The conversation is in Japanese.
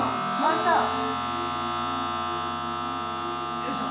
よいしょ。